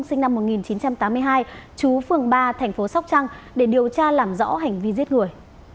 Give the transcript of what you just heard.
sinh năm một nghìn chín trăm tám mươi hai chú phường ba thành phố sóc trăng để điều tra làm rõ hành vi giết người